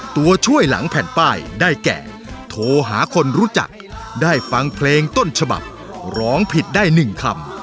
ตัวช่วยหลังแผ่นป้ายได้แก่โทรหาคนรู้จักได้ฟังเพลงต้นฉบับร้องผิดได้๑คำ